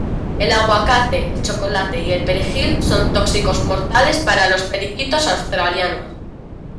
El aguacate, el chocolate y el perejil son tóxicos mortales para los periquitos australianos.